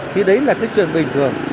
thì đấy là cái chuyện bình thường